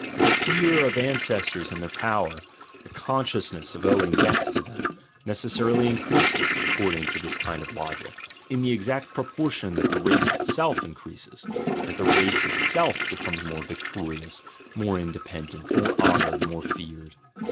The fear of ancestors and their power, the consciousness of owing debts to them, necessarily increases, according to this kind of logic, in the exact proportion that the race itself increases, that the race itself becomes more victor ious, more independent, more honoured, more feared.